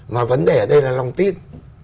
mà vấn đề ở đây là lòng tin